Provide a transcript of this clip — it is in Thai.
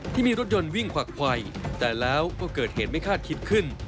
ที่มีรถยนต์วิ่งขวักไขวแต่แล้วก็เกิดเหตุไม่คาดคิดขึ้น